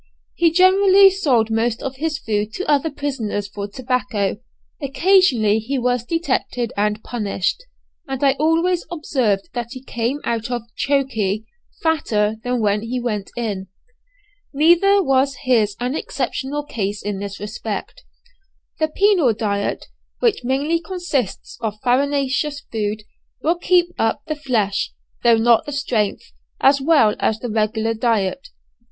He generally sold most of his food to other prisoners for tobacco; occasionally he was detected and punished, and I always observed that he came out of 'Chokey' fatter than when he went in. Neither was his an exceptional case in this respect. The penal diet, which mainly consists of farinaceous food, will keep up the flesh, though not the strength, as well as the regular diet.